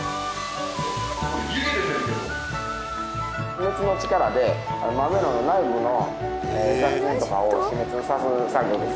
熱の力で豆の内部の雑菌とかを死滅させる作業です。